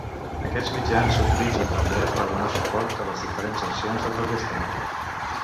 Aquests mitjans s'utilitzen també per donar suport a les diferents accions de protesta.